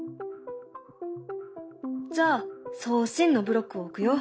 じゃあ「送信」のブロックを置くよ。